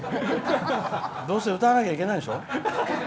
どうせ歌わなきゃいけないんでしょ。